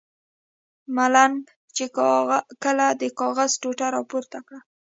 ملنګ چې کله د کاغذ ټوټه را پورته کړه.